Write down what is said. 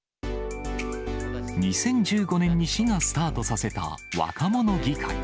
２０１５年に市がスタートさせた若者議会。